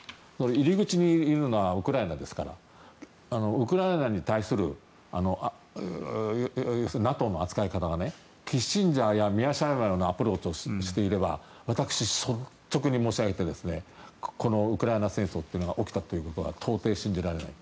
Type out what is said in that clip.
入り口にいるのはウクライナですからウクライナに対するＮＡＴＯの扱い方がキッシンジャーやミアシャイマーのようなアプローチをしていれば私、率直に申し上げてこのウクライナ戦争が起きたということは到底、信じられない。